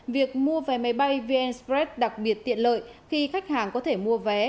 việc mua vé máy bay vna spread đặc biệt tiện lợi khi khách hàng có thể mua vé